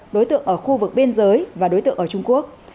đối tượng ở khu vực biên giới và đối tượng ở trung quốc